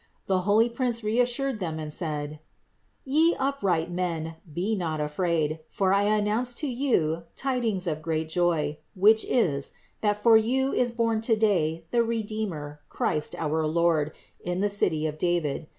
The holy prince reassured them and said: "Ye upright men, be not afraid: for I announce to you tidings of great joy, which is, that for you is born today the Redeemer Christ, our Lord, in the city of David.